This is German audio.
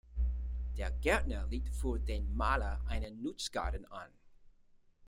Der Gärtner legt für den Maler einen Nutzgarten an.